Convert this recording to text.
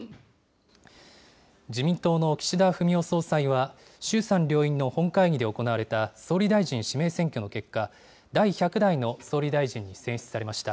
自民党の岸田文雄総裁は、衆参両院の本会議で行われた総理大臣指名選挙の結果、第１００代の総理大臣に選出されました。